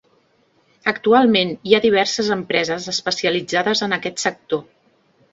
Actualment hi ha diverses empreses especialitzades en aquest sector.